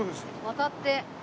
渡って。